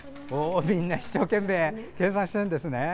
みんな、一生懸命計算してるんですね。